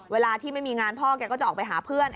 เวลาที่ไม่มีงานพ่อแกก็จะออกไปหาเพื่อน